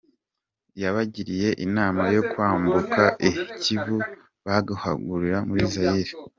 Yabagiriye inama yo kwambuka i kivu bagahungira muri Zaire.